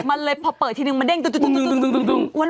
มันเลยพอเปิดทีนึงมันเด้งตุ๊กตุ๊กตุ๊ก